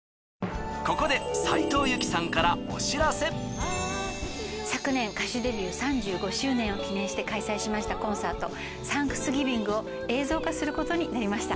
ここで昨年歌手デビュー３５周年を記念して開催しましたコンサートＴＨＡＮＫＳＧＩＶＩＮＧを映像化することになりました。